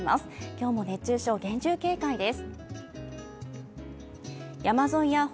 今日も熱中症、厳重警戒です。